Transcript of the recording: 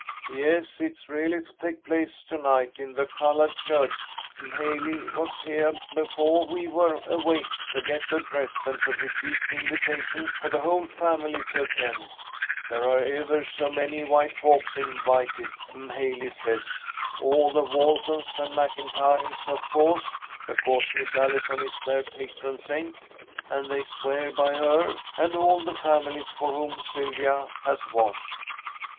"Yes, it really is to take place to night in the colohed church. M'haley was heah befoah we were awake, to get the dress and to repeat the invitation for the whole family to attend. There are evah so many white folks invited, M'haley says. All the Waltons and MacIntyres, of co'se, because Miss Allison is their patron saint, and they swear by her, and all the families for whom Sylvia has washed."